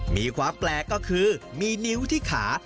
มีความแปลกก็คือมีนิ้วที่ขา